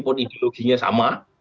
meskipun ideologinya sama